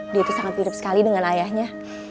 dia itu sangat mirip sekali dengan ayahnya